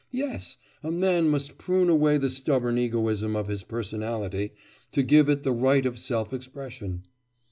Yes! a man must prune away the stubborn egoism of his personality to give it the right of self expression.